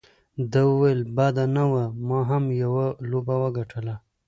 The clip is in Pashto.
ده وویل: بده نه وه، ما هم یوه لوبه وګټله.